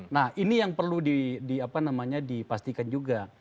nah ini yang perlu dipastikan juga